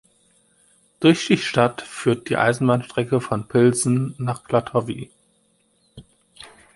Durch die Stadt führt die Eisenbahnstrecke von Pilsen nach Klatovy.